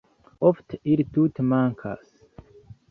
Ofte ili tute mankas.